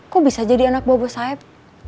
kok bisa jadi anak buah sayap